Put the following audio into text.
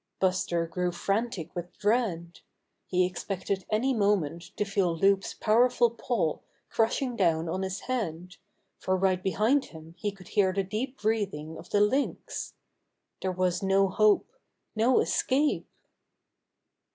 Buster grew frantic with dread. He ex pected any moment to feel Loup's powerful paw crushing down on his head, for right be hind him he could hear the deep breathing of the Lynx. There was no hope — no escape!